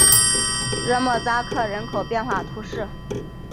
热莫扎克人口变化图示